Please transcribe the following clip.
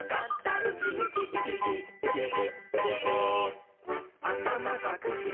「ウキウキウキウキウキウキ」